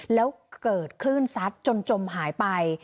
แล้วเกิดคลื่นซัดจนจมหายไป